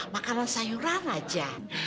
makanan sayuran aja